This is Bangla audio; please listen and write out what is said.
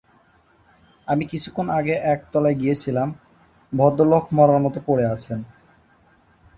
আমি কিছুক্ষণ আগে একতলায় গিয়েছিলাম, ভদ্রলোক মড়ার মতো পড়ে আছেন।